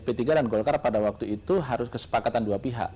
karena baik p tiga dan golkar pada waktu itu harus kesepakatan dua pihak